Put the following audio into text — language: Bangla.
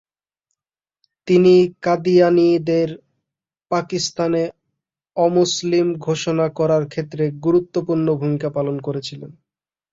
তিনি কাদিয়ানীদের পাকিস্তানে অমুসলিম ঘোষণা করার ক্ষেত্রে গুরুত্বপূর্ণ ভূমিকা পালন করেছিলেন।